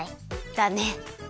だね。